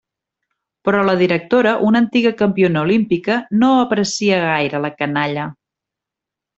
Però la directora, una antiga campiona olímpica, no aprecia gaire la canalla.